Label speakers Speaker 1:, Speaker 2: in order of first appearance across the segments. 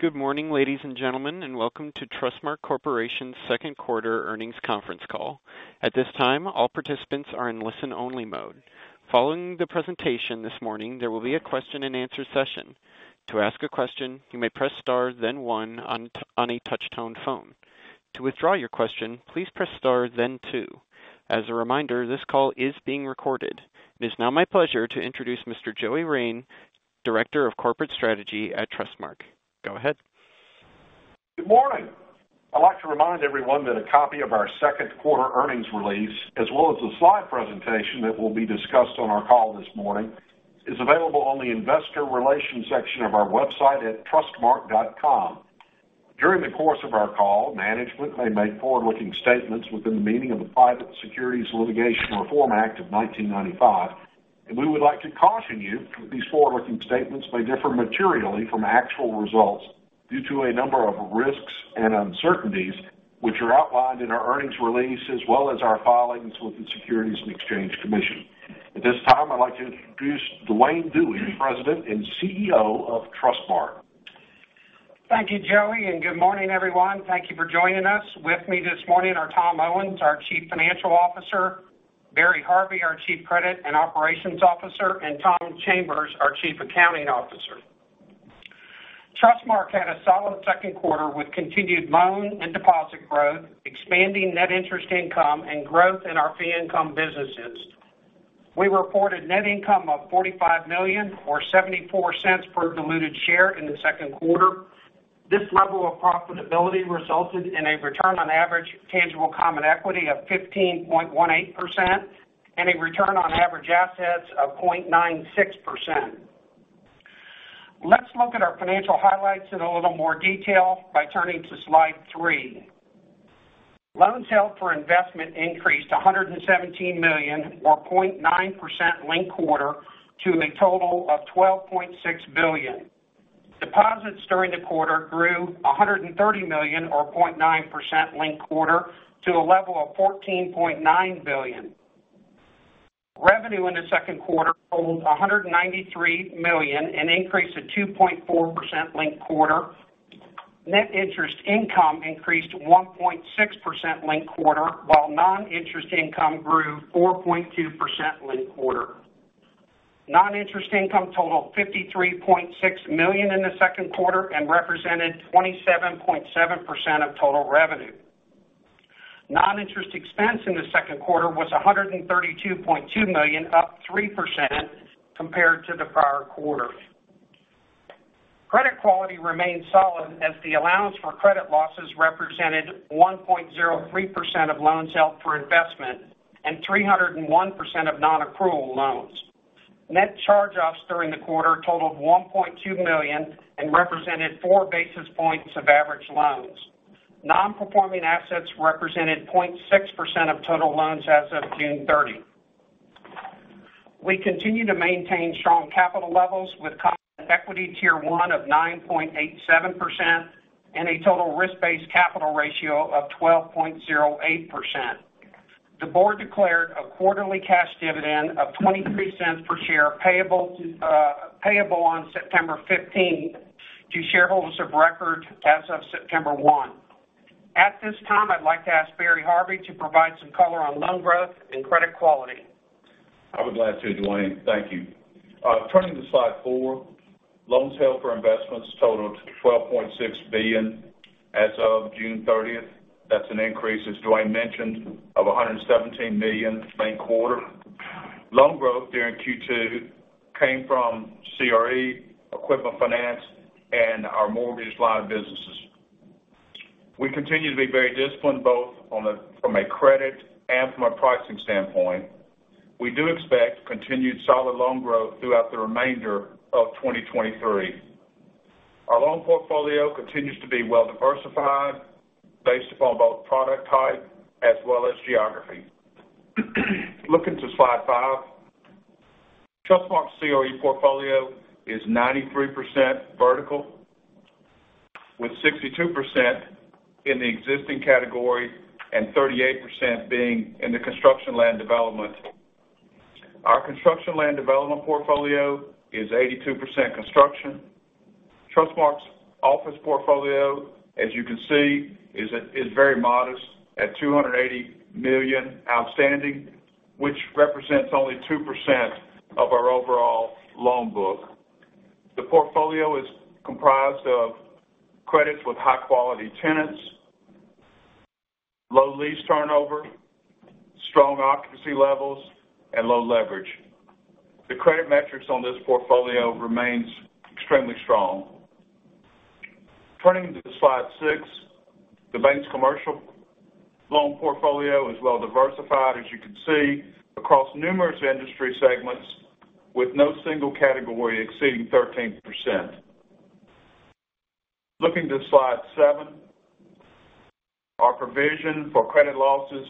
Speaker 1: Good morning, ladies and gentlemen, Welcome to Trustmark Corporation's second quarter earnings conference call. At this time, all participants are in listen-only mode. Following the presentation this morning, there will be a question-and-answer session. To ask a question, you may press star, then one on a touch-tone phone. To withdraw your question, please press star, then two2. As a reminder, this call is being recorded. It is now my pleasure to introduce Mr. Joey Rein, Director of Corporate Strategy at Trustmark. Go ahead.
Speaker 2: Good morning! I'd like to remind everyone that a copy of our second quarter earnings release, as well as the slide presentation that will be discussed on our call this morning, is available on the Investor Relations section of our website at trustmark.com. During the course of our call, management may make forward-looking statements within the meaning of the Private Securities Litigation Reform Act of 1995. We would like to caution you that these forward-looking statements may differ materially from actual results due to a number of risks and uncertainties, which are outlined in our earnings release, as well as our filings with the Securities and Exchange Commission. At this time, I'd like to introduce Duane Dewey, President and CEO of Trustmark.
Speaker 3: Thank you, Joey. Good morning, everyone. Thank you for joining us. With me this morning are Tom Owens, our Chief Financial Officer, Barry Harvey, our Chief Credit and Operations Officer, and Tom Chambers, our Chief Accounting Officer. Trustmark had a solid second quarter with continued loan and deposit growth, expanding net interest income, and growth in our fee income businesses. We reported net income of $45 million, or $0.74 per diluted share in the second quarter. This level of profitability resulted in a return on average tangible common equity of 15.18% and a return on average assets of 0.96%. Let's look at our financial highlights in a little more detail by turning to slide 3. Loans held for investment increased to $117 million, or 0.9% linked-quarter, to a total of $12.6 billion. Deposits during the quarter grew $130 million or 0.9% linked-quarter to a level of $14.9 billion. Revenue in the second quarter totaled $193 million, an increase of 2.4% linked-quarter. Net interest income increased 1.6% linked-quarter, while non-interest income grew 4.2% linked-quarter. Non-interest income totaled $53.6 million in the second quarter and represented 27.7% of total revenue. Non-interest expense in the second quarter was $132.2 million, up 3% compared to the prior quarter. Credit quality remained solid, as the allowance for credit losses represented 1.03% of loans held for investment and 301% of non-accrual loans. Net charge-offs during the quarter totaled $1.2 million and represented 4 basis points of average loans. Non-performing assets represented 0.6% of total loans as of June 30. We continue to maintain strong capital levels with Common Equity Tier 1 of 9.87% and a total risk-based capital ratio of 12.08%. The board declared a quarterly cash dividend of $0.23 per share, payable on September 15, to shareholders of record as of September 1. At this time, I'd like to ask Barry Harvey to provide some color on loan growth and credit quality.
Speaker 4: I would be glad to, Duane. Thank you. Turning to slide four, loans held for investments totaled $12.6 billion as of June 30th. That's an increase, as Duane mentioned, of $117 million bank quarter. Loan growth during Q2 came from CRE, equipment finance, and our mortgage loan businesses. We continue to be very disciplined, both from a credit and from a pricing standpoint. We do expect continued solid loan growth throughout the remainder of 2023. Our loan portfolio continues to be well diversified, based upon both product type as well as geography. Looking to slide five, Trustmark's CRE portfolio is 93% vertical, with 62% in the existing category and 38% being in the construction land development. Our construction land development portfolio is 82% construction. Trustmark's office portfolio, as you can see, is very modest, at $280 million outstanding, which represents only 2% of our overall loan book. The portfolio is comprised of credits with high-quality tenants, low lease turnover, strong occupancy levels, and low leverage. The credit metrics on this portfolio remains extremely strong. Turning to slide six, the bank's commercial loan portfolio is well diversified, as you can see, across numerous industry segments, with no single category exceeding 13%. Looking to slide seven, our provision for credit losses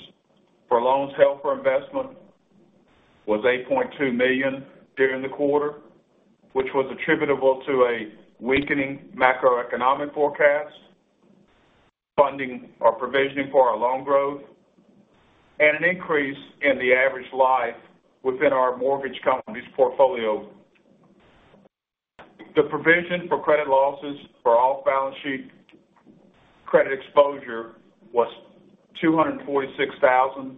Speaker 4: for loans held for investment was $8.2 million during the quarter, which was attributable to a weakening macroeconomic forecast, funding or provisioning for our loan growth, and an increase in the average life within our mortgage company's portfolio. The provision for credit losses for all balance sheet credit exposure was $246,000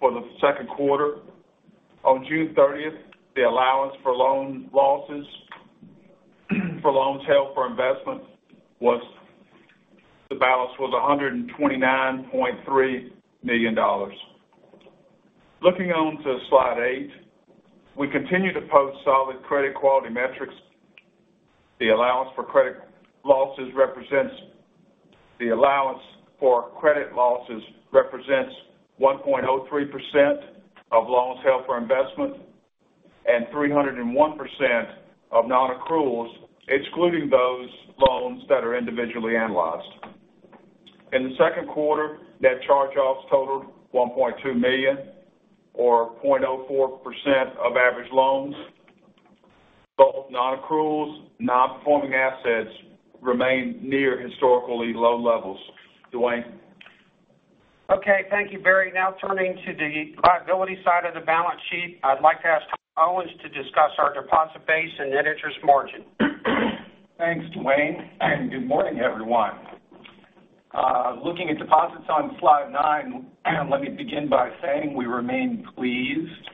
Speaker 4: for the second quarter. On June 30th, the allowance for loan losses for loans held for investment, the balance was $129.3 million. Looking on to slide eight, we continue to post solid credit quality metrics. The allowance for credit losses represents 1.03% of loans held for investment and 301% of nonaccruals, excluding those loans that are individually analyzed. In the second quarter, net charge-offs totaled $1.2 million, or 0.04% of average loans. Both nonaccruals, nonperforming assets remain near historically low levels. Duane?
Speaker 3: Okay, thank you, Barry. Now turning to the liability side of the balance sheet, I'd like to ask Tom Owens to discuss our deposit base and net interest margin.
Speaker 5: Thanks, Duane. Good morning, everyone. Looking at deposits on slide nine, let me begin by saying we remain pleased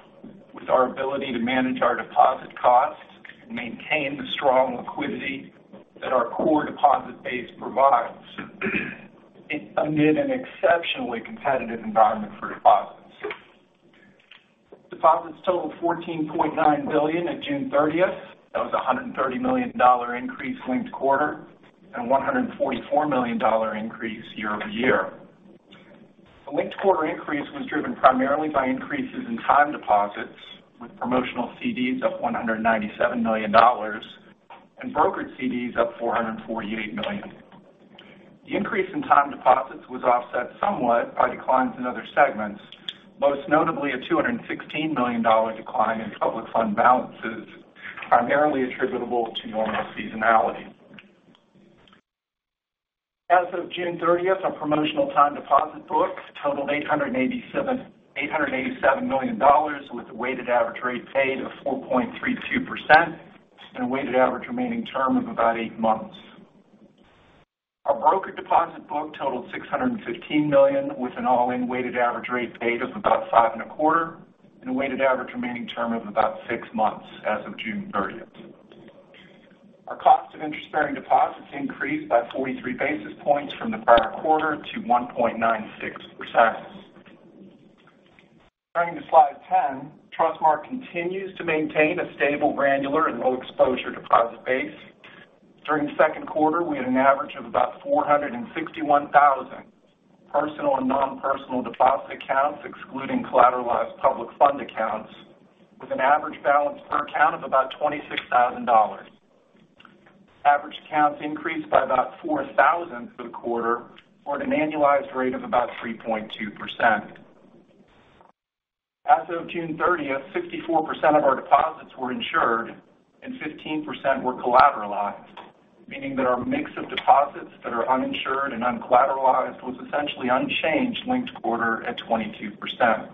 Speaker 5: with our ability to manage our deposit costs and maintain the strong liquidity that our core deposit base provides, amid an exceptionally competitive environment for deposits. Deposits totaled $14.9 billion at June 30th. That was a $130 million increase linked-quarter and a $144 million increase year-over-year. The linked-quarter increase was driven primarily by increases in time deposits, with promotional CDs up $197 million and brokered CDs up $448 million. The increase in time deposits was offset somewhat by declines in other segments, most notably a $216 million decline in public fund balances, primarily attributable to normal seasonality. As of June 30th, our promotional time deposit book totaled $887 million, with a weighted average rate paid of 4.32% and a weighted average remaining term of about eight months. Our brokered deposit book totaled $615 million, with an all-in weighted average rate paid of about five and a quarter, and a weighted average remaining term of about six months as of June 30th. Our cost of interest-bearing deposits increased by 43 basis points from the prior quarter to 1.96%. Turning to slide 10, Trustmark continues to maintain a stable, granular and low exposure deposit base. During the second quarter, we had an average of about 461,000 personal and non-personal deposit accounts, excluding collateralized public fund accounts, with an average balance per account of about $26,000. Average accounts increased by about 4,000 for the quarter, or at an annualized rate of about 3.2%. As of June 30th, 64% of our deposits were insured and 15% were collateralized, meaning that our mix of deposits that are uninsured and uncollateralized was essentially unchanged linked-quarter at 22%.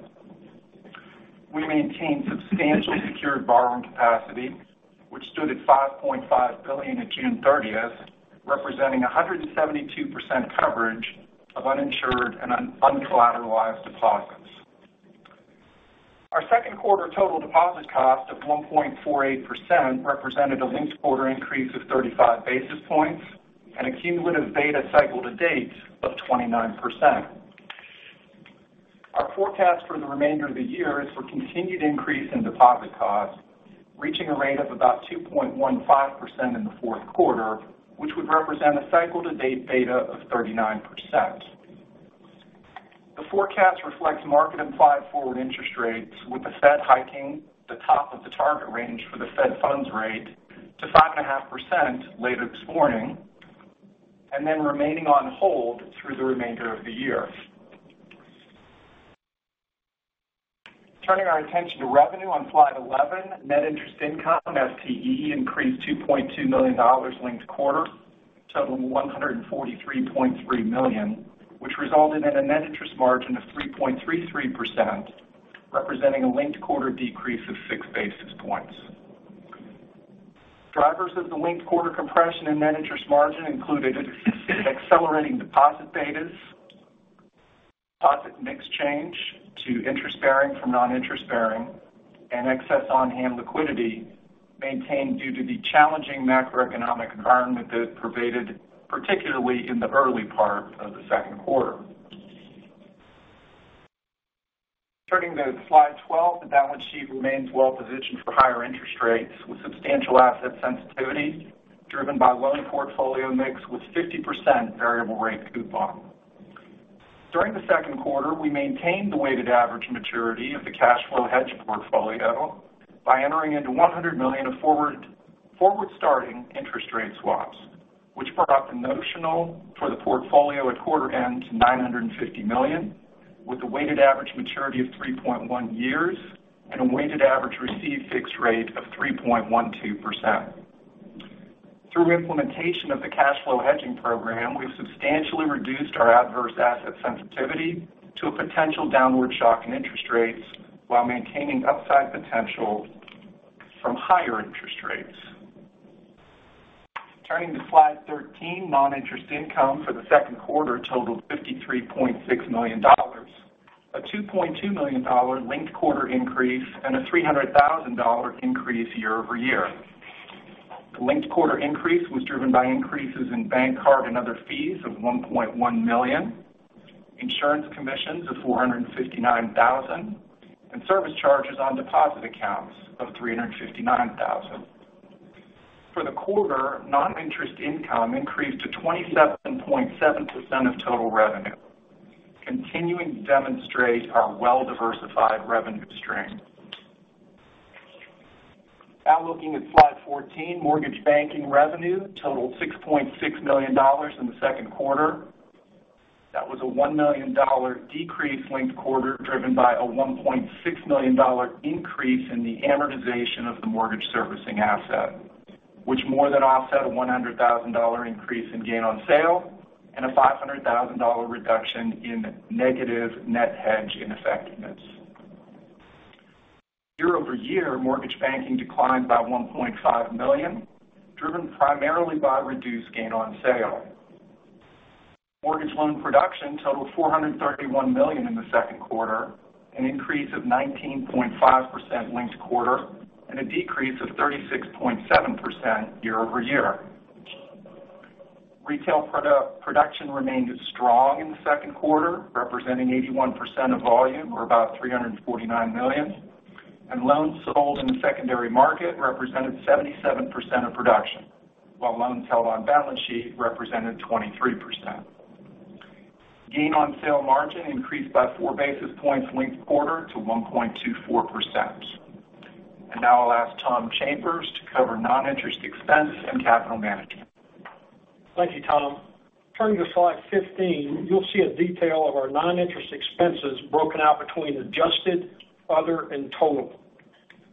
Speaker 5: We maintained substantially secured borrowing capacity, which stood at $5.5 billion at June 30th, representing 172% coverage of uninsured and uncollateralized deposits. Our second quarter total deposit cost of 1.48% represented a linked-quarter increase of 35 basis points and a cumulative beta cycle to date of 29%. Our forecast for the remainder of the year is for continued increase in deposit costs, reaching a rate of about 2.15% in the fourth quarter, which would represent a cycle-to-date- beta of 39%. The forecast reflects market implied forward interest rates, with the Fed hiking the top of the target range for the Fed funds rate to 5.5% later this morning, and then remaining on hold through the remainder of the year. Turning our attention to revenue on slide 11, net interest income (FTE) increased $2.2 million linked-quarter, totaling $143.3 million, which resulted in a net interest margin of 3.33%, representing a linked-quarter decrease of 6 basis points. Drivers of the linked-quarter compression and net interest margin included accelerating deposit betas, deposit mix change to interest bearing from non-interest bearing, and excess on-hand liquidity maintained due to the challenging macroeconomic environment that pervaded, particularly in the early part of the second quarter. Turning to slide 12, the balance sheet remains well positioned for higher interest rates, with substantial asset sensitivity, driven by loan portfolio mix with 50% variable rate coupon. During the second quarter, we maintained the weighted average maturity of the cash flow hedge portfolio by entering into $100 million of forward-starting interest rate swaps, which brought the notional for the portfolio at quarter end to $950 million.. with a weighted average maturity of 3.1 years and a weighted average received fixed rate of 3.12%. Through implementation of the cash flow hedging program, we've substantially reduced our adverse asset sensitivity to a potential downward shock in interest rates, while maintaining upside potential from higher interest rates. Turning to Slide 13, non-interest income for the second quarter totaled $53.6 million, a $2.2 million linked-quarter increase and a $300,000 increase year-over-year. The linked-quarter increase was driven by increases in bank card and other fees of $1.1 million, insurance commissions of $459,000, and service charges on deposit accounts of $359,000. For the quarter, non-interest income increased to 27.7% of total revenue, continuing to demonstrate our well-diversified revenue stream. Looking at Slide 14, mortgage banking revenue totaled $6.6 million in the second quarter. That was a $1 million decrease linked-quarter, driven by a $1.6 million increase in the amortization of the mortgage servicing asset, which more than offset a $100,000 increase in gain on sale and a $500,000 reduction in negative net hedge ineffectiveness. Year-over-year, mortgage banking declined by $1.5 million, driven primarily by reduced gain on sale. Mortgage loan production totaled $431 million in the second quarter, an increase of 19.5% linked-quarter, and a decrease of 36.7% year-over-year. Retail production remained strong in the second quarter, representing 81% of volume or about $349 million, and loans sold in the secondary market represented 77% of production, while loans held on balance sheet represented 23%. Gain on sale margin increased by 4 basis points linked-quarter to 1.24%. Now I'll ask Tom Chambers to cover non-interest expense and capital management.
Speaker 6: Thank you, Tom. Turning to Slide 15, you'll see a detail of our non-interest expenses broken out between adjusted, other, and total.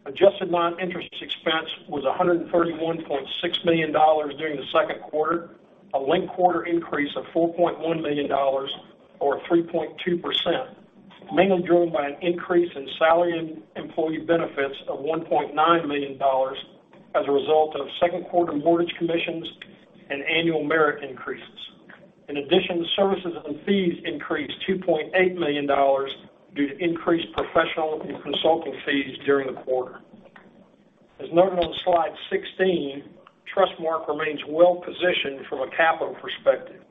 Speaker 6: Adjusted non-interest expense was $131.6 million during the second quarter, a linked-quarter increase of $4.1 million or 3.2%, mainly driven by an increase in salary and employee benefits of $1.9 million as a result of second quarter mortgage commissions and annual merit increases. In addition, services and fees increased $2.8 million due to increased professional and consulting fees during the quarter. As noted on Slide 16, Trustmark remains well positioned from a capital perspective.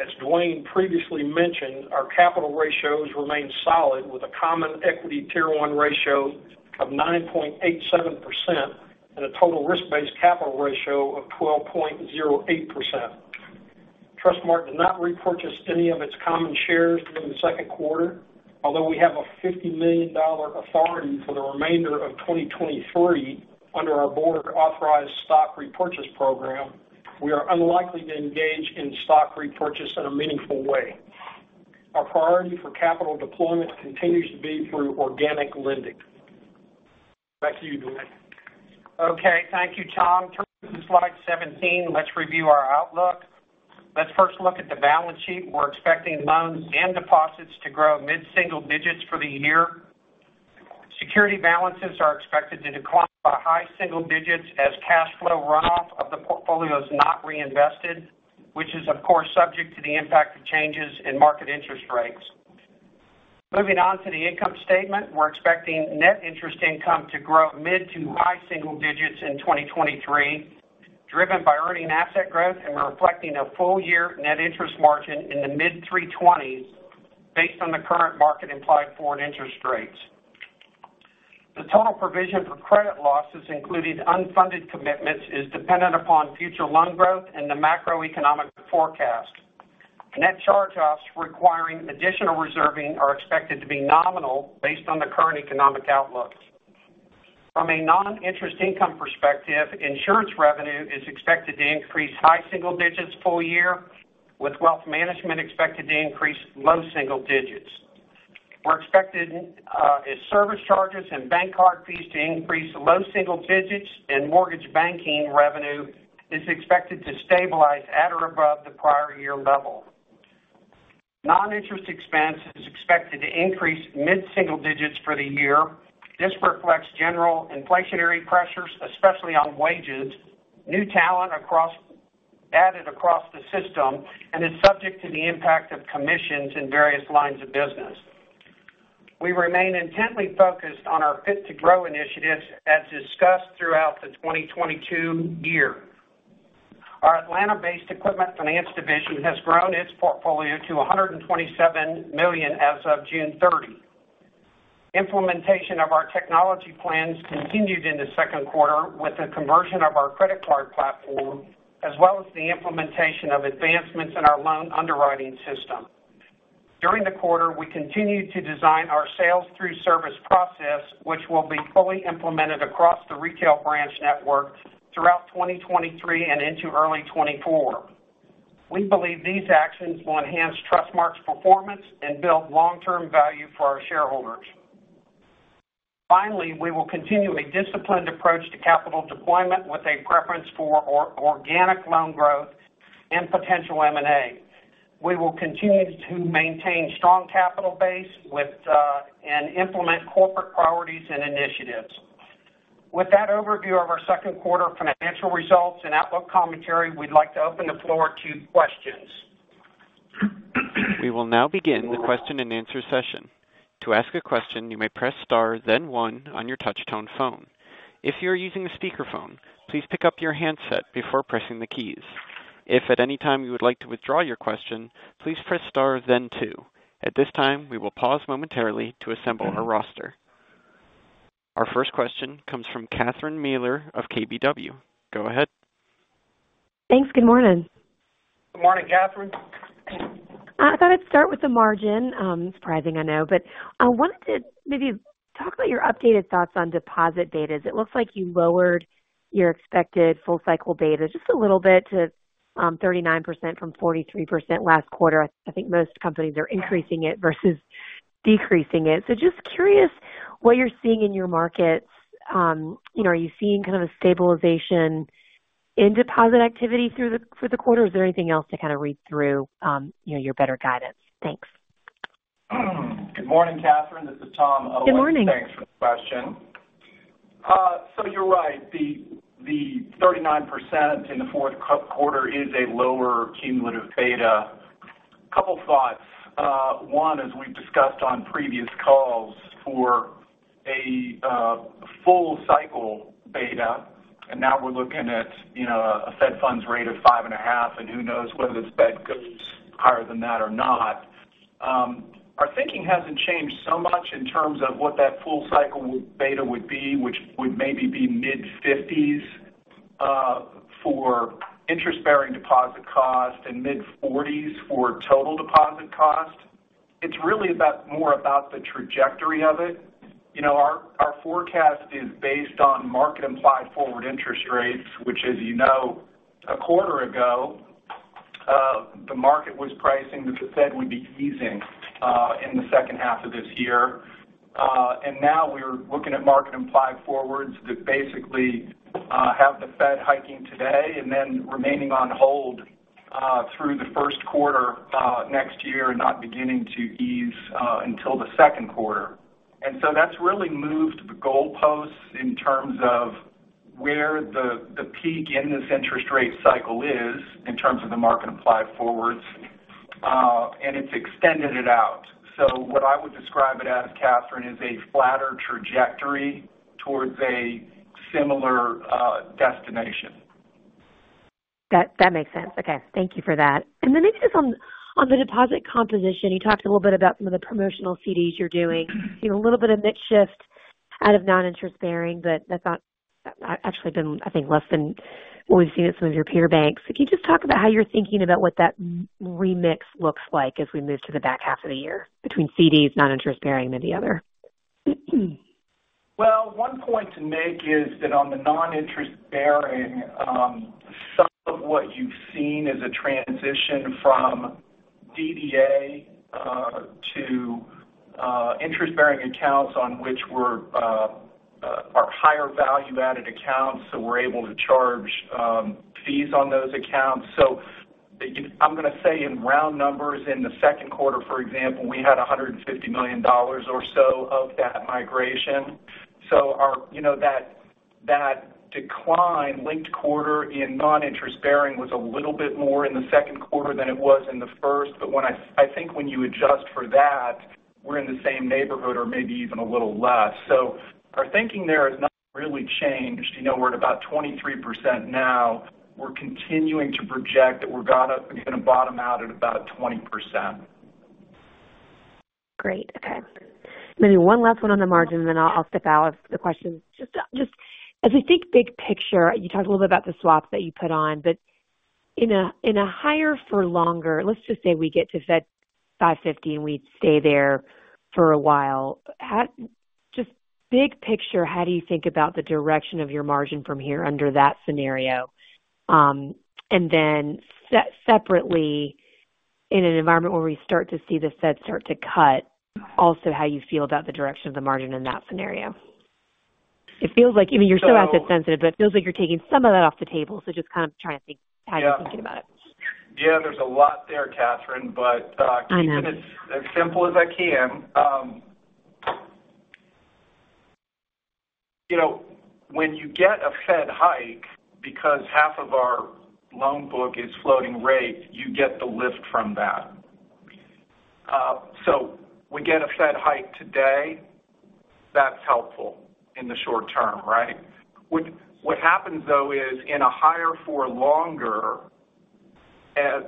Speaker 6: As Duane previously mentioned, our capital ratios remain solid, with a Common Equity Tier 1 ratio of 9.87% and a total risk-based capital ratio of 12.08%. Trustmark did not repurchase any of its common shares during the second quarter. Although we have a $50 million authority for the remainder of 2023 under our board authorized stock repurchase program, we are unlikely to engage in stock repurchase in a meaningful way. Our priority for capital deployment continues to be through organic lending. Back to you, Duane.
Speaker 3: Okay, thank you, Tom. Turning to Slide 17, let's review our outlook. Let's first look at the balance sheet. We're expecting loans and deposits to grow mid-single digits for the year. Security balances are expected to decline by high single digits as cash flow runoff of the portfolio is not reinvested, which is, of course, subject to the impact of changes in market interest rates. Moving on to the income statement. We're expecting net interest income to grow mid to high single digits in 2023, driven by earning asset growth, and we're reflecting a full year net interest margin in the mid 3.20% based on the current market implied forward interest rates. The total provision for credit losses, including unfunded commitments, is dependent upon future loan growth and the macroeconomic forecast. Net charge-offs requiring additional reserving are expected to be nominal based on the current economic outlook. From a non-interest income perspective, insurance revenue is expected to increase high single digits full year, with wealth management expected to increase low single digits. We're expecting service charges and bank card fees to increase low single digits, and mortgage banking revenue is expected to stabilize at or above the prior year level. Non-interest expense is expected to increase mid-single digits for the year. This reflects general inflationary pressures, especially on wages, new talent added across the system, and is subject to the impact of commissions in various lines of business. We remain intently focused on our FIT2GROW initiatives, as discussed throughout the 2022 year. Our Atlanta-based equipment finance division has grown its portfolio to $127 million as of June 30. Implementation of our technology plans continued in the second quarter with the conversion of our credit card platform, as well as the implementation of advancements in our loan underwriting system. During the quarter, we continued to design our sales through service process, which will be fully implemented across the retail branch network... throughout 2023 and into early 2024. We believe these actions will enhance Trustmark's performance and build long-term value for our shareholders. We will continue a disciplined approach to capital deployment with a preference for organic loan growth and potential M&A. We will continue to maintain strong capital base with and implement corporate priorities and initiatives. With that overview of our second quarter financial results and outlook commentary, we'd like to open the floor to questions.
Speaker 1: We will now begin the question-and-answer session. To ask a question, you may press star, then one on your touchtone phone. If you're using a speakerphone, please pick up your handset before pressing the keys. If at any time you would like to withdraw your question, please press star, then two. At this time, we will pause momentarily to assemble our roster. Our first question comes from Catherine Mealor of KBW. Go ahead.
Speaker 7: Thanks. Good morning.
Speaker 3: Good morning, Catherine.
Speaker 7: I thought I'd start with the margin. Surprising, I know, but I wanted to maybe talk about your updated thoughts on deposit betas. It looks like you lowered your expected full-cycle beta just a little bit to 39% from 43% last quarter. I think most companies are increasing it versus decreasing it. Just curious what you're seeing in your markets. You know, are you seeing kind of a stabilization in deposit activity through the, for the quarter, or is there anything else to kind of read through, you know, your better guidance? Thanks.
Speaker 5: Good morning, Catherine. This is Tom Owens.
Speaker 7: Good morning.
Speaker 5: Thanks for the question. You're right. The 39% in the fourth quarter is a lower cumulative beta. Couple thoughts. One, as we've discussed on previous calls, for a full-cycle beta, and now we're looking at, you know, a Fed funds rate of 5.5%, and who knows whether this Fed goes higher than that or not. Our thinking hasn't changed so much in terms of what that full-cycle beta would be, which would maybe be mid-50s for interest-bearing deposit cost and mid-40s for total deposit cost. It's really more about the trajectory of it. You know, our forecast is based on market implied forward interest rates, which, as you know, a quarter ago, the market was pricing that the Fed would be easing in the second half of this year. Now we're looking at market implied forwards that basically have the Fed hiking today and then remaining on hold through the first quarter next year, and not beginning to ease until the second quarter. That's really moved the goalpost in terms of where the peak in this interest rate cycle is, in terms of the market implied forwards, and it's extended it out. What I would describe it as, Catherine, is a flatter trajectory towards a similar destination.
Speaker 7: That makes sense. Okay, thank you for that. Then maybe just on the deposit composition, you talked a little bit about some of the promotional CDs you're doing. See a little bit of mix shift out of non-interest bearing, but that's not actually been, I think, less than what we've seen at some of your peer banks. Can you just talk about how you're thinking about what that remix looks like as we move to the back half of the year between CDs, non-interest bearing, and the other?
Speaker 5: One point to make is that on the non-interest bearing, some of what you've seen is a transition from DDA to interest-bearing accounts on which we're are higher value-added accounts, so we're able to charge fees on those accounts. I'm going to say in round numbers, in the second quarter, for example, we had $150 million or so of that migration. You know, that decline linked-quarter in non-interest bearing was a little bit more in the second quarter than it was in the first. When I think when you adjust for that, we're in the same neighborhood or maybe even a little less. Our thinking there has not really changed. You know, we're at about 23% now. We're continuing to project that we're gonna bottom out at about 20%.
Speaker 7: Great. Okay. Maybe one last one on the margin, then I'll step out of the questions. Just as we think big picture, you talked a little bit about the swaps that you put on, but in a higher for longer, let's just say we get to Fed 5.50%, we stay there for a while. Just big picture, how do you think about the direction of your margin from here under that scenario? Then separately, in an environment where we start to see the Fed start to cut, also, how you feel about the direction of the margin in that scenario? It feels like, I mean, you're so asset sensitive, it feels like you're taking some of that off the table. Just kind of trying to think how you're thinking about it.
Speaker 5: Yeah, there's a lot there, Catherine, but.
Speaker 7: I know.
Speaker 5: Keep it as simple as I can. You know, when you get a Fed hike, because half of our loan book is floating rate, you get the lift from that. We get a Fed hike today, that's helpful in the short term, right? What happens, though, is in a higher for longer, as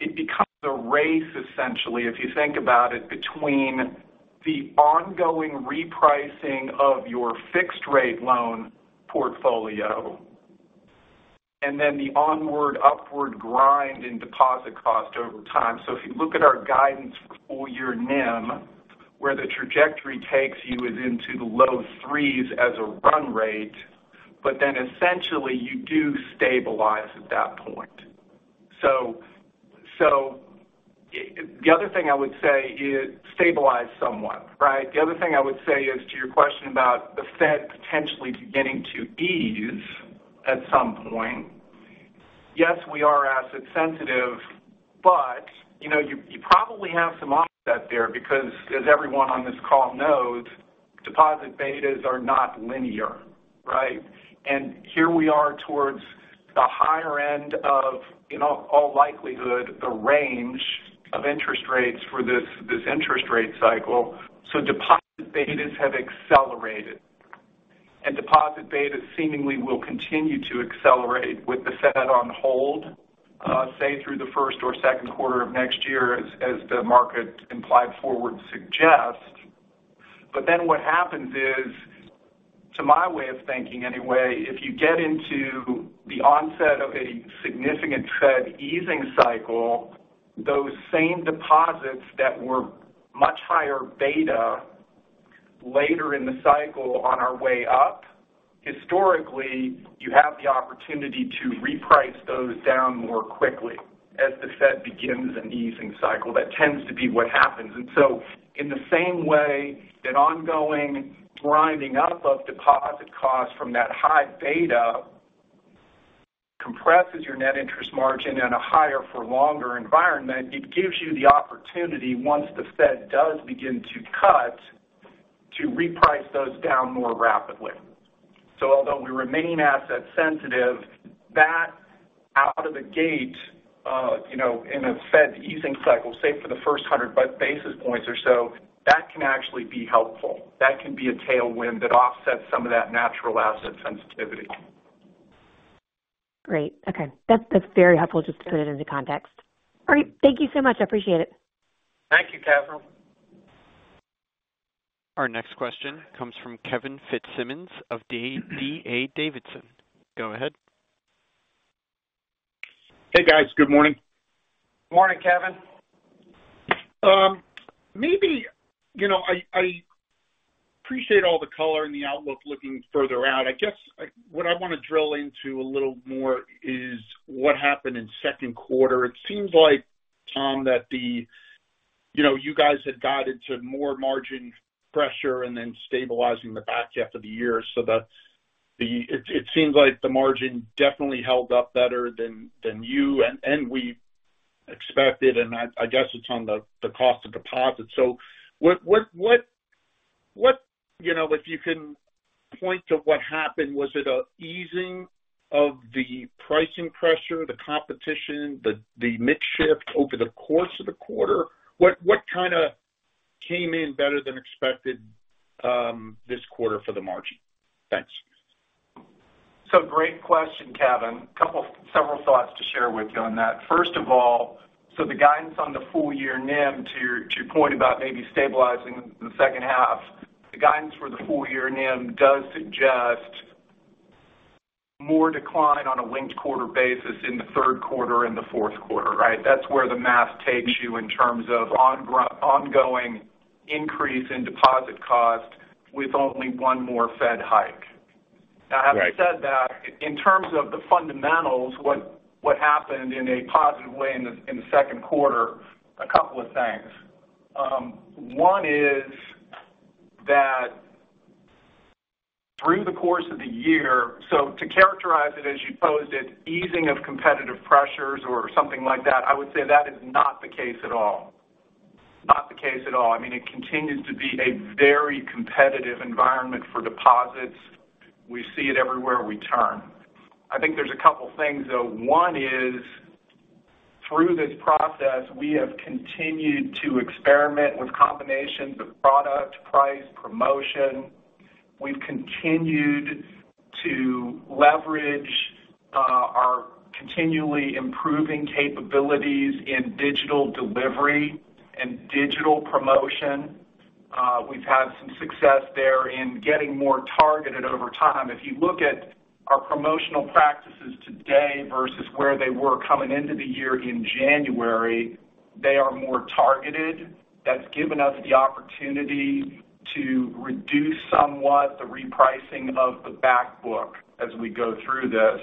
Speaker 5: it becomes a race, essentially, if you think about it, between the ongoing repricing of your fixed-rate loan portfolio and then the onward upward grind in deposit cost over time. If you look at our guidance for full year NIM, where the trajectory takes you is into the low 3% as a run rate, but then essentially you do stabilize at that point. The other thing I would say is stabilize somewhat, right? The other thing I would say is to your question about the Fed potentially beginning to ease at some point. Yes, we are asset sensitive, you know, you probably have some offset there because as everyone on this call knows, deposit betas are not linear, right? Here we are towards the higher end of, in all likelihood, the range of interest rates for this interest rate cycle. Deposit betas have accelerated, and deposit betas seemingly will continue to accelerate with the Fed on hold, say, through the first or second quarter of next year as the market implied forward suggests. What happens is, to my way of thinking anyway, if you get into the onset of a significant Fed easing cycle, those same deposits that were much higher-beta later in the cycle on our way up, historically, you have the opportunity to reprice those down more quickly as the Fed begins an easing cycle. That tends to be what happens. In the same way, that ongoing grinding up of deposit costs from that high beta compresses your net interest margin in a higher for longer environment, it gives you the opportunity, once the Fed does begin to cut, to reprice those down more rapidly. Although we remain asset sensitive, that out of the gate, you know, in a Fed easing cycle, say, for the first 100 basis points or so, that can actually be helpful. That can be a tailwind that offsets some of that natural asset sensitivity.
Speaker 7: Great. Okay. That's very helpful, just to put it into context. All right. Thank you so much. I appreciate it.
Speaker 5: Thank you, Catherine.
Speaker 1: Our next question comes from Kevin Fitzsimmons of D.A. Davidson. Go ahead.
Speaker 8: Hey, guys. Good morning.
Speaker 5: Morning, Kevin.
Speaker 8: Maybe, you know, I appreciate all the color and the outlook looking further out. I guess, what I want to drill into a little more is what happened in second quarter. It seems like, Tom, that you know, you guys had got into more margin pressure and then stabilizing the back half of the year. That's it seems like the margin definitely held up better than you and we expected, and I guess it's on the cost of deposit. What, you know, if you can point to what happened, was it a easing of the pricing pressure, the competition, the mix shift over the course of the quarter? What, what kind of came in better than expected, this quarter for the margin? Thanks.
Speaker 5: Great question, Kevin. Several thoughts to share with you on that. First of all, the guidance on the full year NIM, to your, to your point about maybe stabilizing the second half, the guidance for the full year NIM does suggest more decline on a linked-quarter basis in the third quarter and the fourth quarter, right? That's where the math takes you in terms of ongoing increase in deposit cost with only one more Fed hike.
Speaker 8: Right.
Speaker 5: Having said that, in terms of the fundamentals, what happened in a positive way in the second quarter, a couple of things. One is that through the course of the year, to characterize it as you posed it, easing of competitive pressures or something like that, I would say that is not the case at all. Not the case at all. I mean, it continues to be a very competitive environment for deposits. We see it everywhere we turn. I think there's a couple things, though. One is, through this process, we have continued to experiment with combinations of product, price, promotion. We've continued to leverage our continually improving capabilities in digital delivery and digital promotion. We've had some success there in getting more targeted over time. If you look at our promotional practices today versus where they were coming into the year in January, they are more targeted. That's given us the opportunity to reduce somewhat the repricing of the back book as we go through this.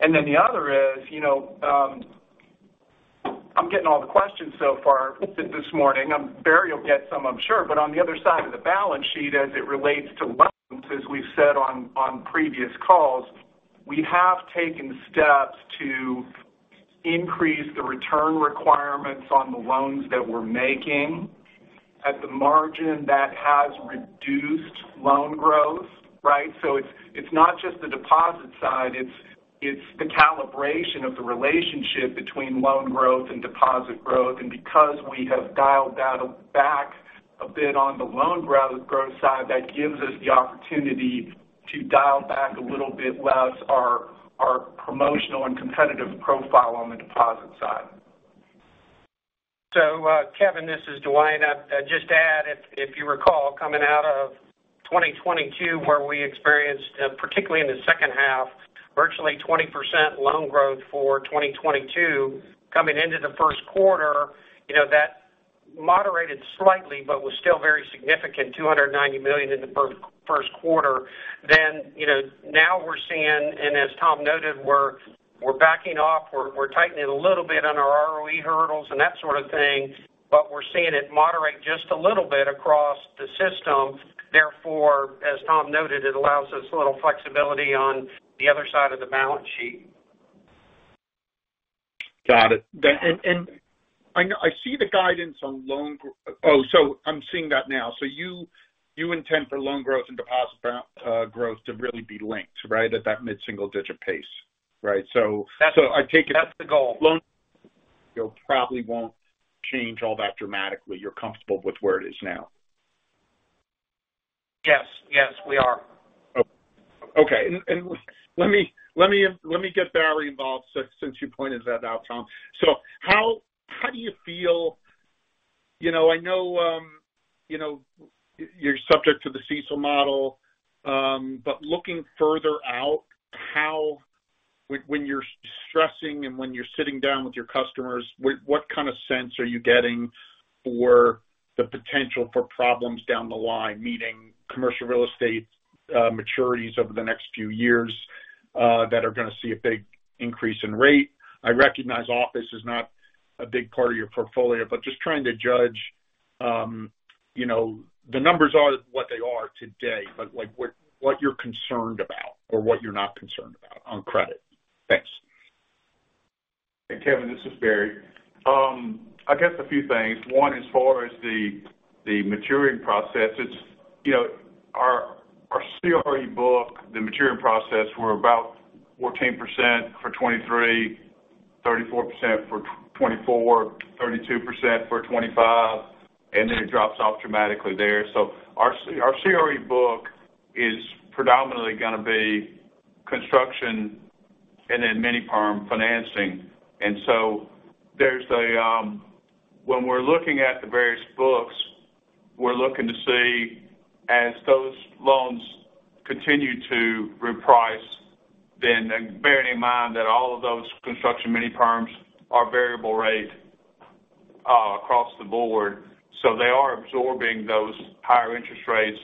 Speaker 5: The other is, you know, I'm getting all the questions so far this morning. Barry, you'll get some, I'm sure. On the other side of the balance sheet, as it relates to loans, as we've said on previous calls, we have taken steps to increase the return requirements on the loans that we're making. At the margin, that has reduced loan growth, right? It's not just the deposit side, it's the calibration of the relationship between loan growth and deposit growth. Because we have dialed that back a bit on the loan growth side, that gives us the opportunity to dial back a little bit less our promotional and competitive profile on the deposit side.
Speaker 3: Kevin, this is Duane. I just add, if you recall, coming out of 2022, where we experienced, particularly in the second half, virtually 20% loan growth for 2022. Coming into the first quarter, you know, that moderated slightly, but was still very significant, $290 million in the first quarter. you know, now we're seeing, and as Tom noted, we're backing off, we're tightening a little bit on our ROE hurdles and that sort of thing, but we're seeing it moderate just a little bit across the system. Therefore, as Tom noted, it allows us a little flexibility on the other side of the balance sheet.
Speaker 8: Got it. I see the guidance on loan, oh, so I'm seeing that now. You intend for loan growth and deposit growth to really be linked, right? At that mid-single digit pace, right?
Speaker 3: That's-
Speaker 8: I take it.
Speaker 3: That's the goal.
Speaker 8: Loan probably won't change all that dramatically. You're comfortable with where it is now?
Speaker 3: Yes. Yes, we are.
Speaker 8: Okay. Let me get Barry involved, since you pointed that out, Tom. How do you feel? You know, I know, you know, you're subject to the CECL model, but looking further out, when you're stressing and when you're sitting down with your customers, what kind of sense are you getting for the potential for problems down the line, meaning commercial real estate, maturities over the next few years, that are gonna see a big increase in rate? I recognize office is not a big part of your portfolio, but just trying to judge, you know, the numbers are what they are today, but, like, what you're concerned about or what you're not concerned about on credit? Thanks.
Speaker 4: Hey, Kevin, this is Barry. I guess a few things. One, as far as the maturing process, it's, you know, our CRE book, the maturing process, we're about 14% for 2023, 34% for 2024, 32% for 2025, and then it drops off dramatically there. Our CRE book is predominantly gonna be construction and then mini-perm financing. There's a, when we're looking at the various books, we're looking to see, as those loans continue to reprice, then, and bearing in mind that all of those construction mini-perms are variable rate, across the board, so they are absorbing those higher interest rates,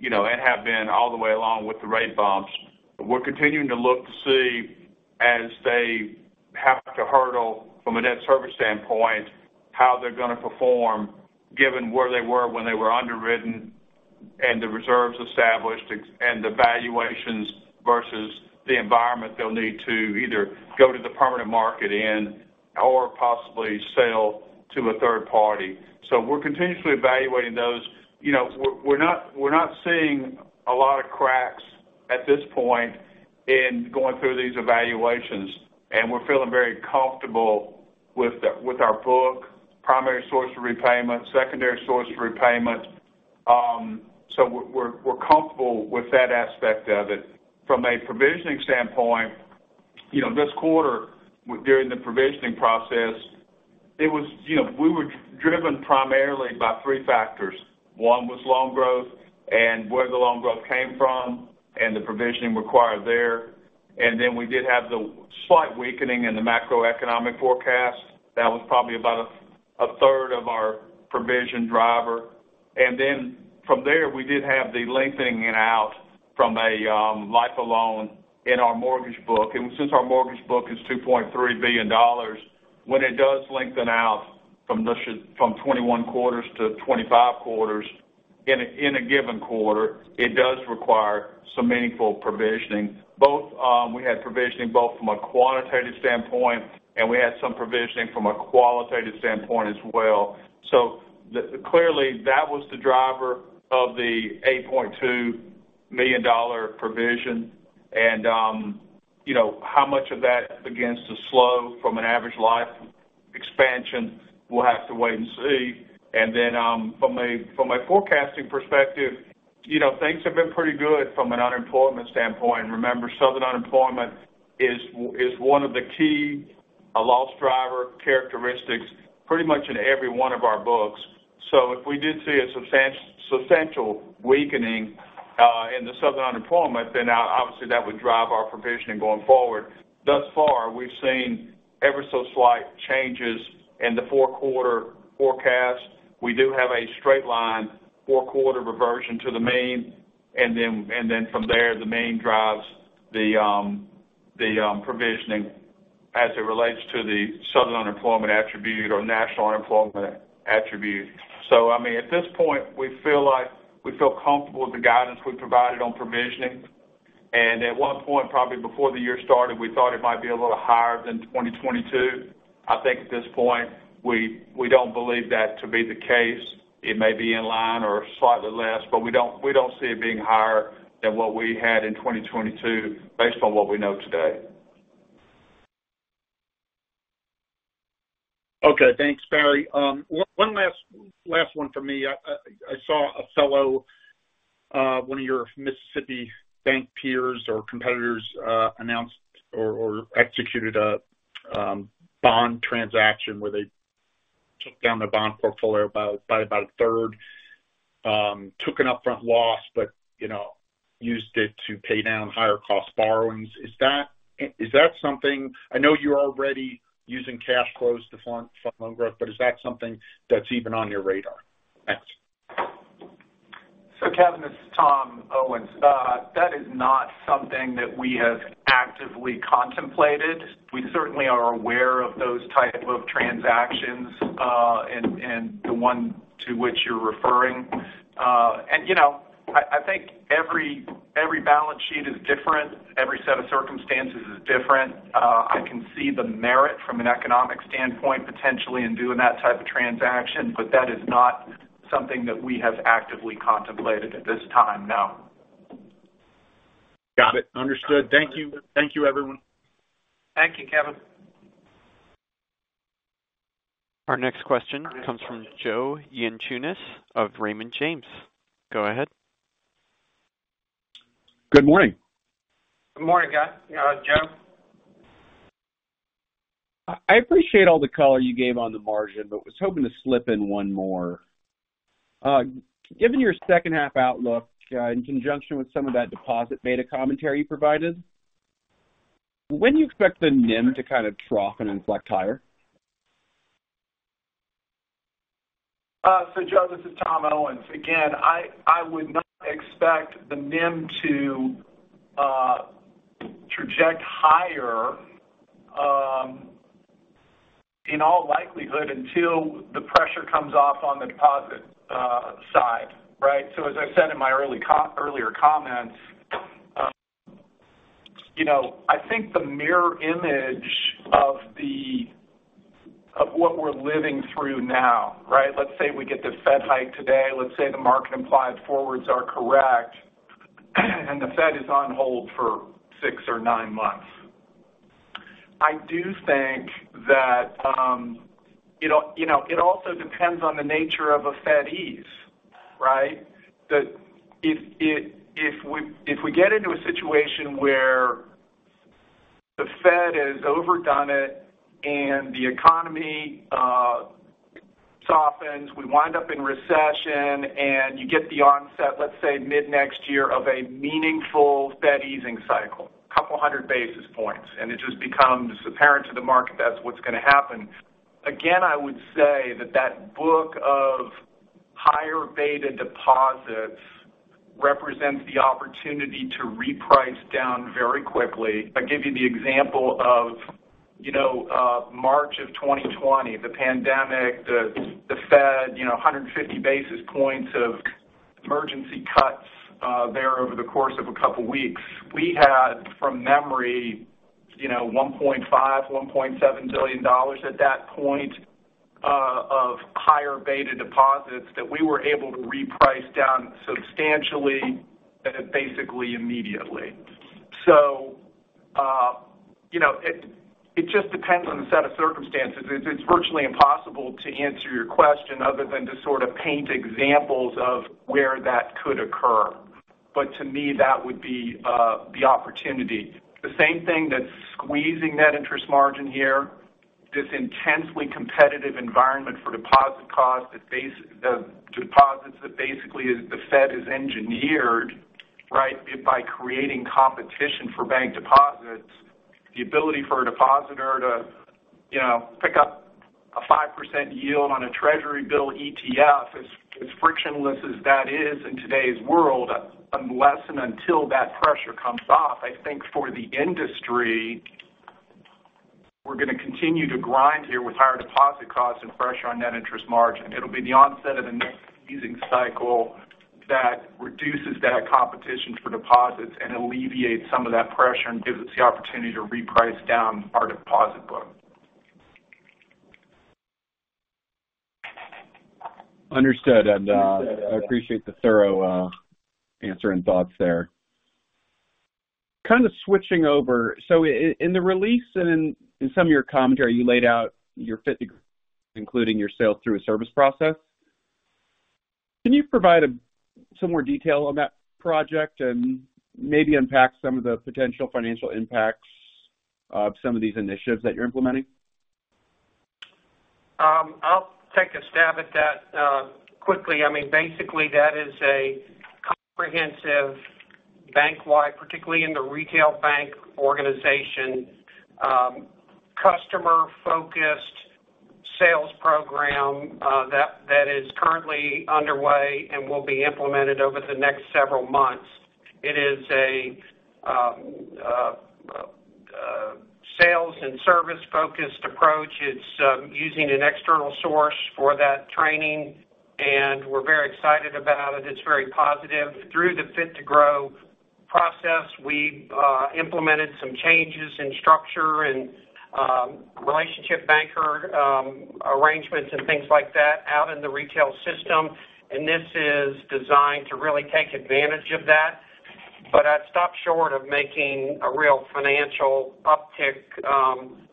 Speaker 4: you know, and have been all the way along with the rate bumps. We're continuing to look to see as they have to hurdle from a net service standpoint, how they're gonna perform, given where they were when they were underwritten, and the reserves established, and the valuations versus the environment they'll need to either go to the permanent market in or possibly sell to a third party. We're continuously evaluating those. You know, we're not seeing a lot of cracks at this point in going through these evaluations, and we're feeling very comfortable with our book, primary source of repayment, secondary source of repayment. We're comfortable with that aspect of it. From a provisioning standpoint, you know, this quarter, during the provisioning process, it was, you know, we were driven primarily by three factors. One was loan growth and where the loan growth came from, and the provisioning required there. We did have the slight weakening in the macroeconomic forecast. That was probably about a third of our provision driver. From there, we did have the lengthening out from a life of loan in our mortgage book. Since our mortgage book is $2.3 billion, when it does lengthen out from this, from 21 quarters to 25 quarters in a given quarter, it does require some meaningful provisioning. Both, we had provisioning both from a quantitative standpoint, and we had some provisioning from a qualitative standpoint as well. Clearly, that was the driver of the $8.2 million provision. You know, how much of that begins to slow from an average life expansion, we'll have to wait and see. From a forecasting perspective, you know, things have been pretty good from an unemployment standpoint. Remember, southern unemployment is one of the key, a loss driver characteristics, pretty much in every one of our books. If we did see a substantial weakening in the southern unemployment, obviously, that would drive our provisioning going forward. Thus far, we've seen ever so slight changes in the four-quarter forecast. We do have a straight line, four-quarter reversion to the mean, from there, the mean drives the provisioning as it relates to the southern unemployment attribute or national unemployment attribute. I mean, at this point, we feel like we feel comfortable with the guidance we provided on provisioning. At one point, probably before the year started, we thought it might be a little higher than 2022. I think at this point, we don't believe that to be the case. It may be in line or slightly less, We don't see it being higher than what we had in 2022 based on what we know today.
Speaker 8: Okay, thanks, Barry. One last one for me. I saw a fellow, one of your Mississippi bank peers or competitors, announced or executed a bond transaction where they took down their bond portfolio by about a third. Took an upfront loss, but, you know, used it to pay down higher cost borrowings. Is that something I know you're already using cash flows to fund loan growth, but is that something that's even on your radar? Thanks.
Speaker 5: Kevin, this is Tom Owens. That is not something that we have actively contemplated. We certainly are aware of those type of transactions, and the one to which you're referring. You know, I think every balance sheet is different. Every set of circumstances is different. I can see the merit from an economic standpoint, potentially, in doing that type of transaction, that is not something that we have actively contemplated at this time, no.
Speaker 8: Got it. Understood. Thank you. Thank you, everyone.
Speaker 5: Thank you, Kevin.
Speaker 1: Our next question comes from Joe Yanchunis of Raymond James. Go ahead.
Speaker 9: Good morning.
Speaker 5: Good morning, guy, Joe.
Speaker 9: I appreciate all the color you gave on the margin, but was hoping to slip in one more. Given your second half outlook, in conjunction with some of that deposit beta commentary you provided, when do you expect the NIM to kind of trough and inflect higher?
Speaker 5: Joe, this is Tom Owens. Again, I would not expect the NIM to traject higher in all likelihood, until the pressure comes off on the deposit side, right? As I said in my earlier comments, you know, I think the mirror image of what we're living through now, right? Let's say we get the Fed hike today. Let's say the market implied forwards are correct, and the Fed is on hold for six or nine months. I do think that, you know, it also depends on the nature of a Fed ease, right? If we get into a situation where the Fed has overdone it, and the economy softens, we wind up in recession, and you get the onset, let's say, mid-next year, of a meaningful Fed easing cycle, a couple 100 basis points, it just becomes apparent to the market that's what's going to happen. Again, I would say that book of higher-beta deposits represents the opportunity to reprice down very quickly. I'll give you the example of, you know, March of 2020, the pandemic, the Fed, you know, 150 basis points of emergency cuts there over the course of a couple weeks. We had, from memory, you know, $1.5 billion-$1.7 billion at that point, of higher-beta deposits that we were able to reprice down substantially and basically immediately. You know, it just depends on the set of circumstances. It's, it's virtually impossible to answer your question other than to sort of paint examples of where that could occur. To me, that would be the opportunity. The same thing that's squeezing net interest margin here, this intensely competitive environment for deposit costs, the deposits, that basically is the Fed has engineered, right, by creating competition for bank deposits. The ability for a depositor to, you know, pick up a 5% yield on a Treasury bill ETF, as frictionless as that is in today's world, unless and until that pressure comes off, I think for the industry, we're going to continue to grind here with higher deposit costs and pressure on net interest margin. It'll be the onset of the next easing cycle that reduces that competition for deposits and alleviates some of that pressure and gives us the opportunity to reprice down our deposit book.
Speaker 9: Understood, I appreciate the thorough answer and thoughts there. Kind of switching over, in the release and in some of your commentary, you laid out your FIT2GROW, including your sales through service process. Can you provide some more detail on that project and maybe unpack some of the potential financial impacts of some of these initiatives that you're implementing?
Speaker 3: I'll take a stab at that quickly. I mean, basically, that is a comprehensive bank-wide, particularly in the retail bank organization, customer-focused sales program, that is currently underway and will be implemented over the next several months. It is a sales and service-focused approach. It's using an external source for that training, and we're very excited about it. It's very positive. Through the FIT2GROW process, we've implemented some changes in structure and relationship banker arrangements and things like that out in the retail system, and this is designed to really take advantage of that. I'd stop short of making a real financial uptick on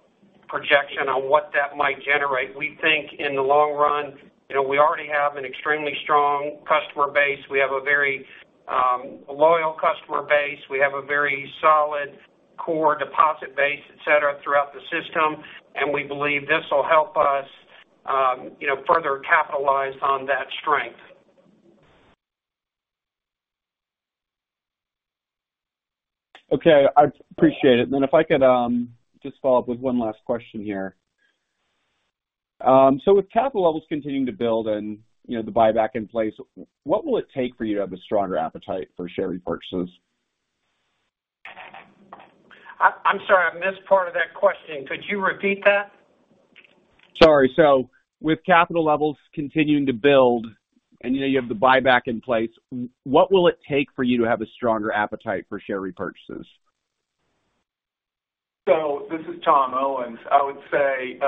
Speaker 3: what that might generate. We think in the long run, you know, we already have an extremely strong customer base. We have a very loyal customer base. We have a very solid core deposit base, et cetera, throughout the system. We believe this will help us, you know, further capitalize on that strength.
Speaker 9: I appreciate it. If I could, just follow up with one last question here. With capital levels continuing to build and, you know, the buyback in place, what will it take for you to have a stronger appetite for share repurchases?
Speaker 3: I'm sorry, I missed part of that question. Could you repeat that?
Speaker 9: Sorry. With capital levels continuing to build and, you know, you have the buyback in place, what will it take for you to have a stronger appetite for share repurchases?
Speaker 5: This is Tom Owens. I would say,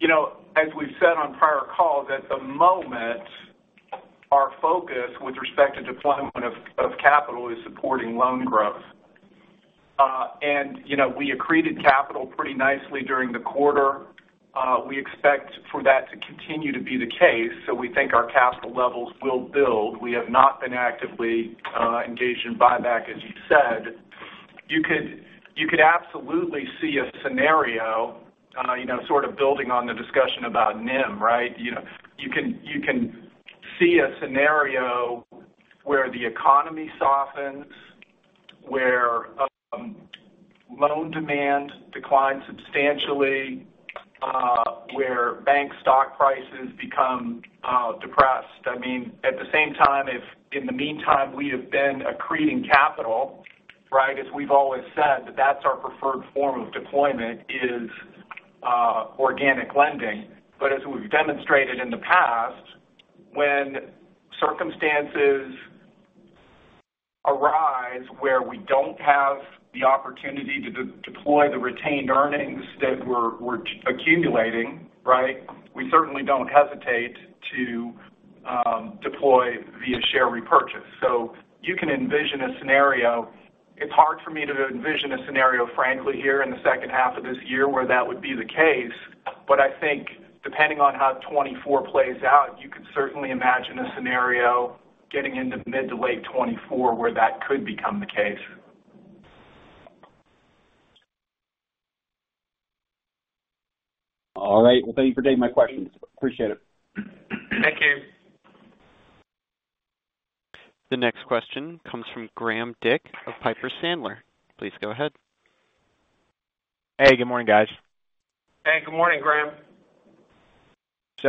Speaker 5: you know, as we've said on prior calls, at the moment, our focus with respect to deployment of capital is supporting loan growth. You know, we accreted capital pretty nicely during the quarter. We expect for that to continue to be the case, so we think our capital levels will build. We have not been actively engaged in buyback, as you said. You could absolutely see a scenario, you know, sort of building on the discussion about NIM, right? You know, you can see a scenario where the economy softens, where loan demand declines substantially, where bank stock prices become depressed. I mean, at the same time, if in the meantime, we have been accreting capital, right, as we've always said, that's our preferred form of deployment is organic lending. As we've demonstrated in the past, when circumstances arise where we don't have the opportunity to deploy the retained earnings that we're accumulating, right, we certainly don't hesitate to deploy via share repurchase. You can envision a scenario. It's hard for me to envision a scenario, frankly, here in the second half of this year, where that would be the case. I think depending on how 2024 plays out, you could certainly imagine a scenario getting into mid to late 2024, where that could become the case.
Speaker 9: All right. Well, thank you for taking my questions. Appreciate it.
Speaker 3: Thank you.
Speaker 1: The next question comes from Graham Dick of Piper Sandler. Please go ahead.
Speaker 10: Hey, good morning, guys.
Speaker 3: Hey, good morning, Graham.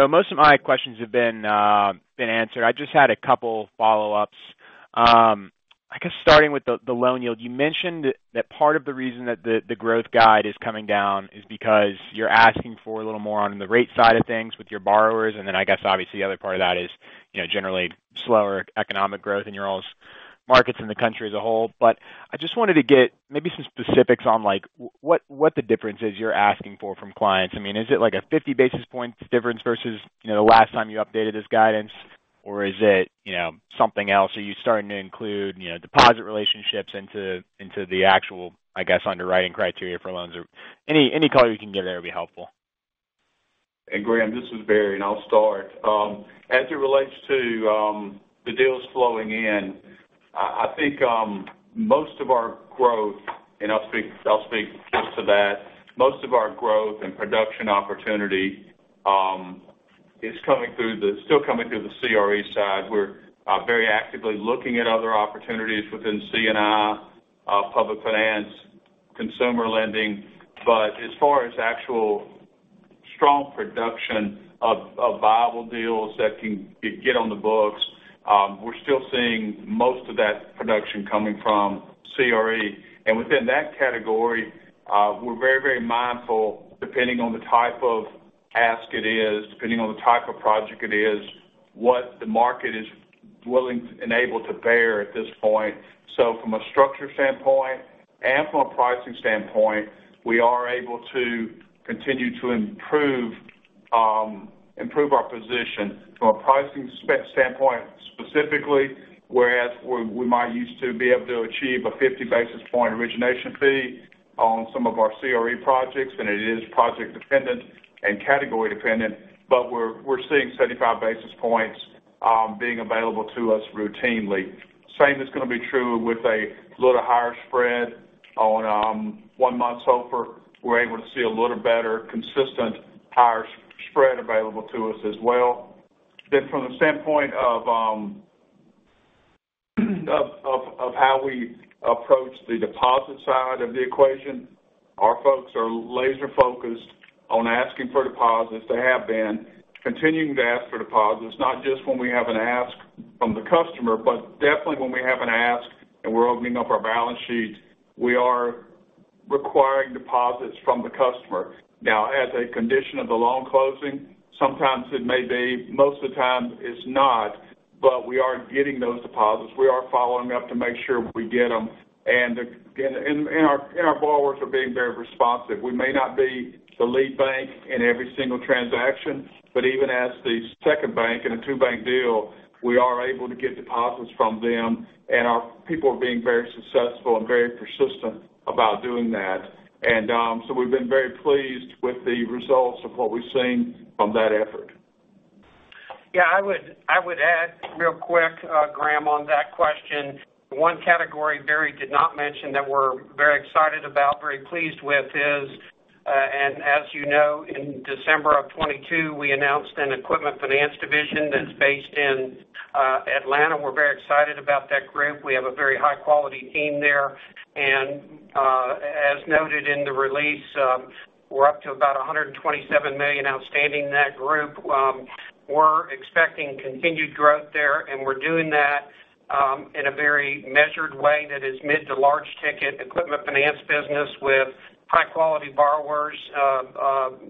Speaker 10: Most of my questions have been answered. I just had a couple follow-ups. I guess starting with the loan yield, you mentioned that part of the reason that the growth guide is coming down is because you're asking for a little more on the rate side of things with your borrowers. I guess, obviously, the other part of that is, you know, generally slower economic growth in your all's markets in the country as a whole. I just wanted to get maybe some specifics on, like, what the difference is you're asking for from clients? I mean, is it like a 50 basis points difference versus, you know, the last time you updated this guidance, or is it, you know, something else? Are you starting to include, you know, deposit relationships into the actual, I guess, underwriting criteria for loans? Any color you can give there would be helpful.
Speaker 4: Graham, this is Barry, and I'll start. As it relates to the deals flowing in, I think most of our growth, I'll speak just to that. Most of our growth and production opportunity is still coming through the CRE side. We're very actively looking at other opportunities within C&I, public finance, consumer lending. As far as actual strong production of viable deals that can get on the books, we're still seeing most of that production coming from CRE. Within that category, we're very mindful, depending on the type of ask it is, depending on the type of project it is, what the market is willing and able to bear at this point. From a structure standpoint and from a pricing standpoint, we are able to continue to improve our position. From a pricing standpoint, specifically, whereas we might used to be able to achieve a 50 basis point origination fee on some of our CRE projects, and it is project dependent and category dependent, but we're seeing 35 basis points being available to us routinely. Same is going to be true with a little higher spread on one month SOFR. We're able to see a little better, consistent, higher spread available to us as well. From the standpoint of how we approach the deposit side of the equation, our folks are laser focused on asking for deposits. They have been continuing to ask for deposits, not just when we have an ask from the customer, but definitely when we have an ask and we're opening up our balance sheet, we are requiring deposits from the customer. As a condition of the loan closing, sometimes it may be, most of the time it's not, but we are getting those deposits. We are following up to make sure we get them, and our borrowers are being very responsive. We may not be the lead bank in every single transaction, but even as the second bank in a two-bank deal, we are able to get deposits from them, and our people are being very successful and very persistent about doing that. So we've been very pleased with the results of what we've seen from that effort.
Speaker 3: Yeah, I would add real quick, Graham, on that question. One category Barry did not mention that we're very excited about, very pleased with, is, as you know, in December of 2022, we announced an equipment finance division that's based in Atlanta. We're very excited about that group. We have a very high-quality team there, as noted in the release, we're up to about $127 million outstanding in that group. We're expecting continued growth there, we're doing that in a very measured way that is mid to large-ticket equipment finance business with high-quality borrowers,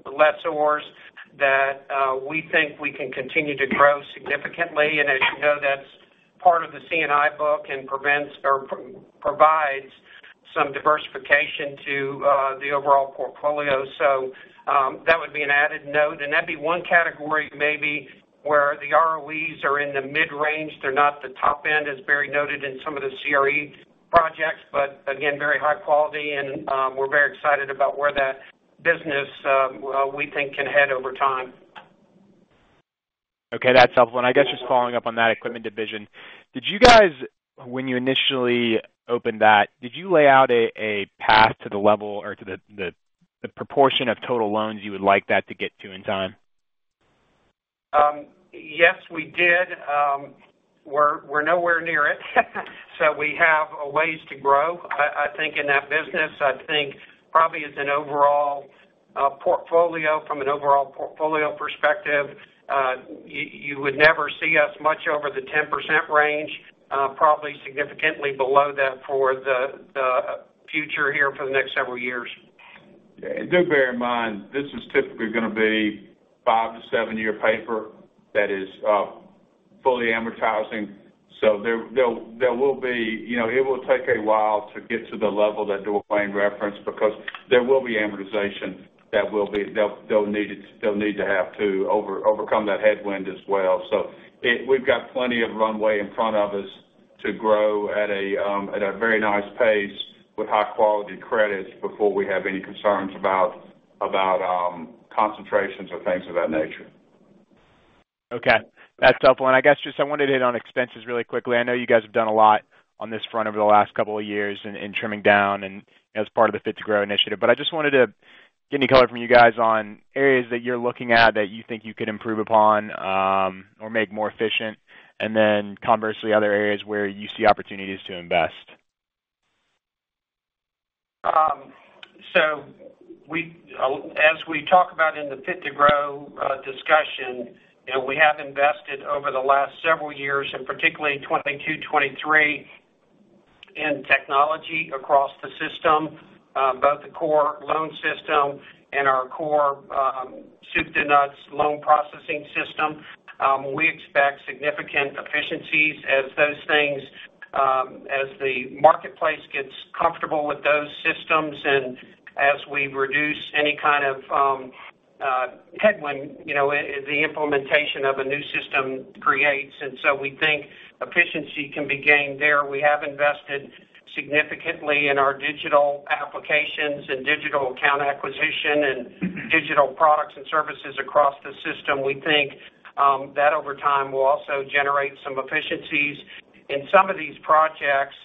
Speaker 3: lessors, that we think we can continue to grow significantly. As you know, that's part of the C&I book and prevents or provides some diversification to the overall portfolio. That would be an added note, and that'd be one category, maybe, where the ROEs are in the mid-range. They're not the top end, as Barry noted in some of the CRE projects, but again, very high quality, and we're very excited about where that business, we think can head over time.
Speaker 10: Okay, that's helpful. I guess just following up on that equipment division: did you guys, when you initially opened that, did you lay out a path to the level or to the proportion of total loans you would like that to get to in time?
Speaker 3: Yes, we did. We're nowhere near it. We have a ways to grow. I think in that business, I think probably as an overall portfolio, from an overall portfolio perspective, you would never see us much over the 10% range, probably significantly below that for the future here for the next several years.
Speaker 4: Do bear in mind, this is typically gonna be five to seven-year paper that is fully amortizing. You know, it will take a while to get to the level that Duane referenced, because there will be amortization that will be they'll need to have to overcome that headwind as well. We've got plenty of runway in front of us to grow at a very nice pace with high-quality credits before we have any concerns about concentrations or things of that nature.
Speaker 10: Okay, that's helpful. I guess just I wanted to hit on expenses really quickly. I know you guys have done a lot on this front over the last couple of years in trimming down and as part of the Fit to Grow initiative. I just wanted to get any color from you guys on areas that you're looking at that you think you could improve upon, or make more efficient, and then conversely, other areas where you see opportunities to invest.
Speaker 3: As we talk about in the FIT2GROW, you know, we have invested over the last several years, and particularly in 2022, 2023, in technology across the system, both the core loan system and our core, soup-to-nuts loan processing system. We expect significant efficiencies as those things, as the marketplace gets comfortable with those systems and as we reduce any kind of headwind, you know, the implementation of a new system creates, and so we think efficiency can be gained there. We have invested significantly in our digital applications and digital account acquisition and digital products and services across the system. We think that, over time, will also generate some efficiencies. In some of these projects,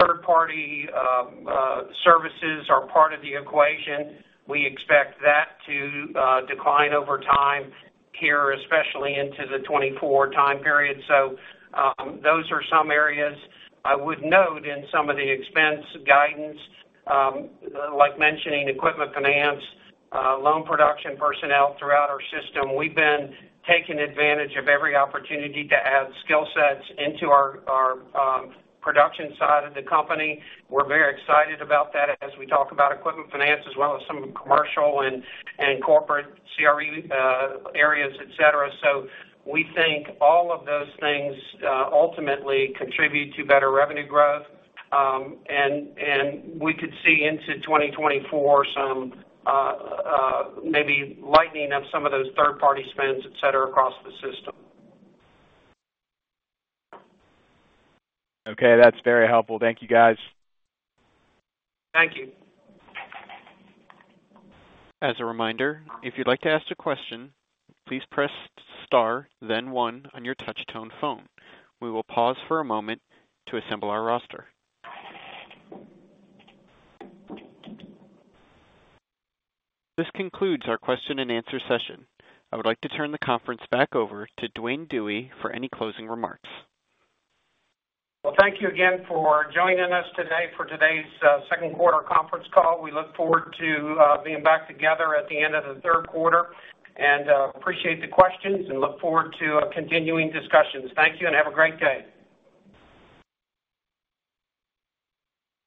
Speaker 3: third-party services are part of the equation. We expect that to decline over time here, especially into the 2024 time period. Those are some areas I would note in some of the expense guidance, like mentioning equipment finance, loan production personnel throughout our system. We've been taking advantage of every opportunity to add skill sets into our production side of the company. We're very excited about that as we talk about equipment finance, as well as some commercial and corporate CRE areas, et cetera. We think all of those things ultimately contribute to better revenue growth, and we could see into 2024, some maybe lightening of some of those third-party spends, et cetera, across the system.
Speaker 10: That's very helpful. Thank you, guys.
Speaker 3: Thank you.
Speaker 1: As a reminder, if you'd like to ask a question, please press star, then one on your touch tone phone. We will pause for a moment to assemble our roster. This concludes our question-and-answer session. I would like to turn the conference back over to Duane Dewey for any closing remarks.
Speaker 3: Well, thank you again for joining us today for today's second quarter conference call. We look forward to being back together at the end of the third quarter. Appreciate the questions and look forward to continuing discussions. Thank you. Have a great day.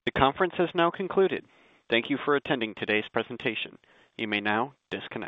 Speaker 1: The conference is now concluded. Thank you for attending today's presentation. You may now disconnect.